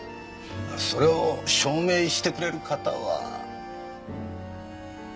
それを証明してくれる方は？